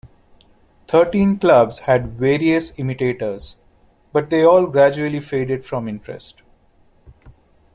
Thirteen Clubs had various imitators, but they all gradually faded from interest.